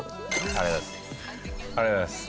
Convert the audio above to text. ありがとうございます